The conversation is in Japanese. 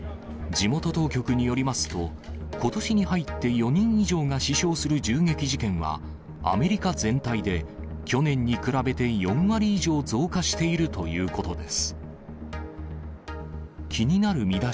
地元当局によりますと、ことしに入って４人以上が死傷する銃撃事件は、アメリカ全体で去年に比べて４割以上増加しているということです。